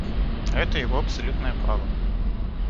Это его абсолютное право.